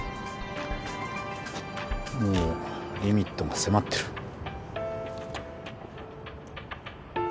もうリミットが迫ってる。